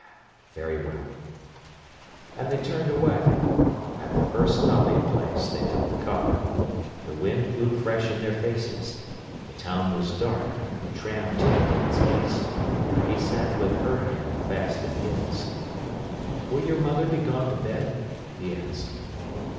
"Very well." And they turned away. At the first stopping place they took the car. The wind blew fresh in their faces. The town was dark; the tram tipped in its haste. He sat with her hand fast in his. "Will your mother be gone to bed?" he asked.